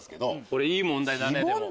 これいい問題だね。